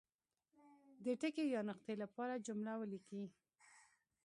د ټکي یا نقطې لپاره جمله ولیکي.